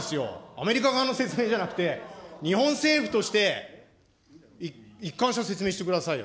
アメリカ側の説明じゃなくて、日本政府として、一貫した説明をしてくださいよ。